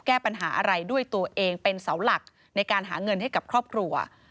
แก้ปัญหาอะไรด้วยตัวเองเป็นเสาหลักในการหาเงินให้กับครอบครัว